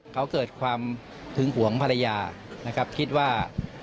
เขาเกิดความถึงหวงภรรยาคิดว่า